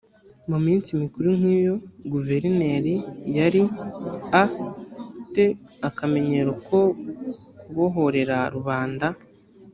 mu minsi mikuru nk iyo guverineri yari a te akamenyero ko kubohorera rubanda